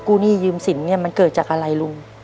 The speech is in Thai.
กู้หนี้ยืมสินมันเกิดจากอะไรลุง